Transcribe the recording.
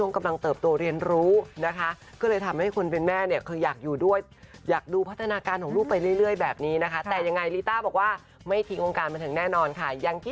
คิดถึงค่ะ